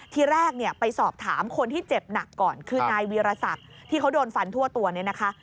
ทีแรกเนี่ยไปสอบถามคนที่เจ็บหนักก่อนคือนายวีรศักดิ์ที่เขาโดนฟันทั่วตัวเนี่ยนะคะ